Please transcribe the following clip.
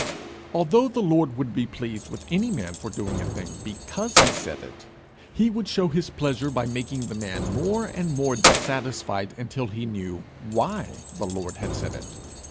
Although the Lord would be pleased with any man for doing a thing because he said it, he would show his pleasure by making the man more and more dissatisfied until he knew why the Lord had said it.